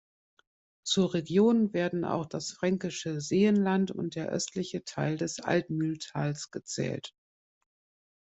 Zur Region werden auch das Fränkische Seenland und der östliche Teil des Altmühltals gezählt.